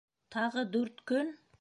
— Тағы дүрт көн?!.